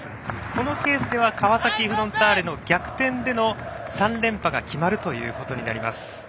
このケースでは川崎フロンターレの逆転での３連覇が決まるということになります。